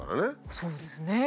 そうですね。